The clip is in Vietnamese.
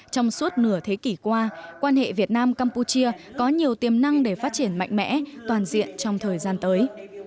trong suốt nửa thế kỷ qua quan hệ việt nam campuchia có nhiều tiềm năng để phát triển mạnh mẽ toàn diện trong thời gian tới